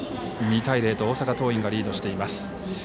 ２対０と大阪桐蔭がリードしています。